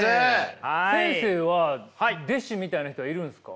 先生は弟子みたいな人はいるんですか？